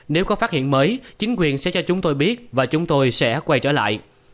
nếu có phát hiện mới chính quyền sẽ cho chúng tôi biết và chúng tôi sẽ quay trở lại